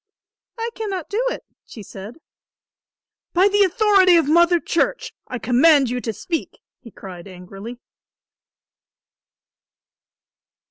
"I cannot do it," she said. "By the authority of Mother Church, I command you to speak," he cried angrily.